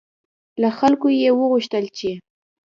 له خلکو یې وغوښتل چې